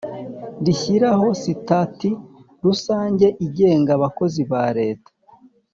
rishyiraho sitati rusange igenga abakozi ba Leta